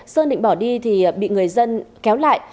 sơn định bỏ đi thì bị người dân kéo lại